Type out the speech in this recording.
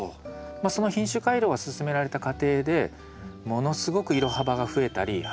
その品種改良が進められた過程でものすごく色幅が増えたり花の形が増えたり